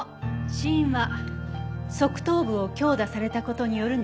死因は側頭部を強打された事による脳挫傷。